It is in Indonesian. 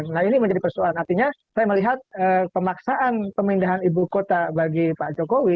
nah ini menjadi persoalan artinya saya melihat pemaksaan pemindahan ibu kota bagi pak jokowi